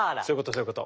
そういうこと。